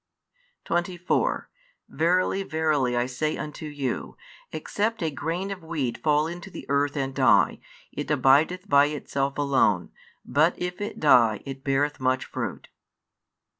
24 Verily, verily, I say unto you, Except a grain of wheat fall into the earth and die, it abideth by itself alone; but if it die, it beareth much fruit.